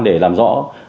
để làm rõ